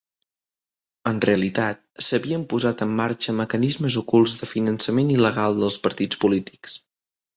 En realitat, s'havien posat en marxa mecanismes ocults de finançament il·legal dels partits polítics.